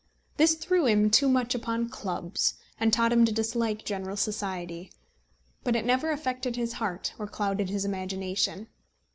This threw him too much upon clubs, and taught him to dislike general society. But it never affected his heart, or clouded his imagination.